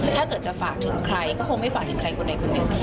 ถ้าเกิดจะฝากถึงใครก็คงไม่ฝากถึงใครคนใดคนหนึ่ง